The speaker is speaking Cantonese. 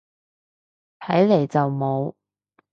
睇嚟就冇